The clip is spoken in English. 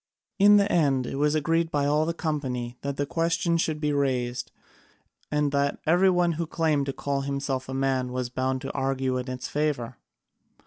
In the end it was agreed by all the company that the question should be raised, and that every one who claimed to call himself a man was bound to argue in its favour.